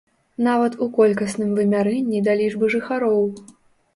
Нават у колькасным вымярэнні да лічбы жыхароў.